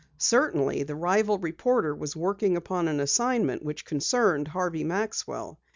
Certainly the rival reporter was working upon an assignment which concerned Harvey Maxwell.